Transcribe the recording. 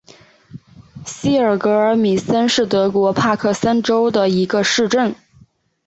希尔格尔米森是德国下萨克森州的一个市镇。